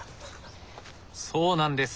そうなんです。